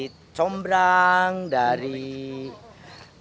banyak juga bunga bunga yang dipakai untuk membuatnya ini ya